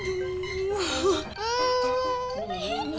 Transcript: wih lucu banget